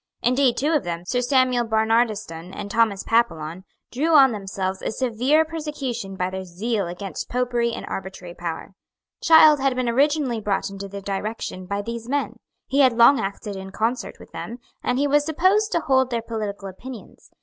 Indeed two of them, Sir Samuel Barnardistone and Thomas Papillon, drew on themselves a severe persecution by their zeal against Popery and arbitrary power. Child had been originally brought into the direction by these men; he had long acted in concert with them; and he was supposed to hold their political opinions.